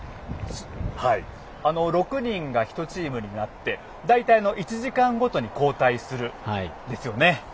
６人が１チームになって大体、１時間ごとに交代するんですよね。